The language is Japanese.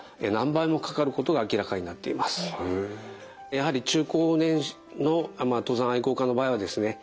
やはり中高年の登山愛好家の場合はですね